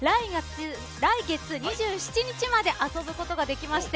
来月２７日まで遊ぶことができまして。